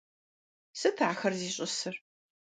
Сыт ахэр зищӀысыр?